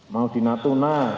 mau di natuna